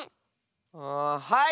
あはい！